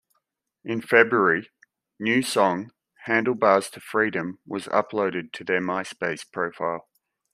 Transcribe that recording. In February, new song "Handlebars to Freedom" was uploaded to their MySpace profile.